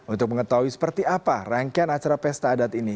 untuk mengetahui seperti apa rangkaian acara pesta adat ini